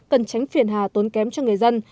cần tránh phiền hà tốn kém cho người dân